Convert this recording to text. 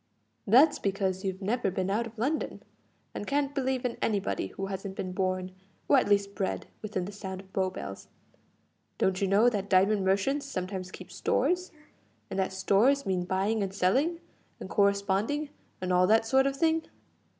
"That's because you've never been out of London, and can't believe in anybody who hasn't been borne or at least bred, within the sound of Bow Bells. Don't you know that diamond merchants sometimes keep stores, and that stores mean buying and selling, and corresponding, and all that sort of thing?